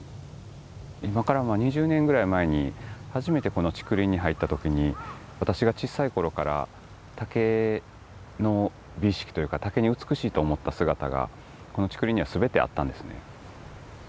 今から２０年ぐらい前に初めてこの竹林に入った時に私が小さい頃から竹の美意識というか竹に美しいと思った姿がこの竹林には全てあったんですね。